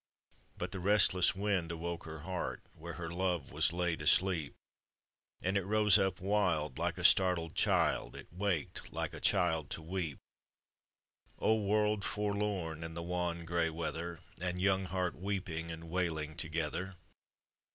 \ But the restless wind awoke her heart Where her love was laid asleep, And it rose up wild like a startled child, It waked like a child to weep; — O world forlorn in the wan grey weather, And young heart weeping and wailing to gether